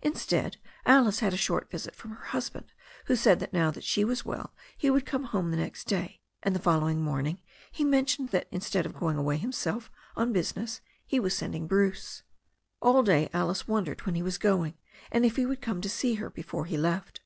Instead, Alice had a short visit from her husband, who said that now that she was well he would come home the next day, and the follow ing morning he mentioned that instead of going away him self on business he was sending Bruce, All day Alice wondered when he was going and if he would come to see her before he left.